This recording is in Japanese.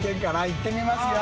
行ってみますよ。